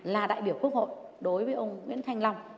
là đại biểu quốc hội đối với ông nguyễn thanh long